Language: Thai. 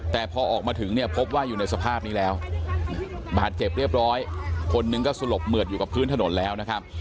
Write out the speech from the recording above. แต่พอออกมาถึงเนี่ยพบว่าอยู่ในสภาพนี้แล้วบาดเจ็บเรียบร้อยคนหนึ่งก็สลบเหมือดอยู่กับพื้นถนนแล้วนะครับ